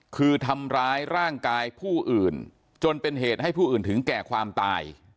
คือทำร้ายร่างกายผู้อื่นจนเป็นเหตุให้ผู้อื่นถึงแก่ความตาย